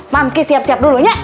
mamski siap siap dulu ya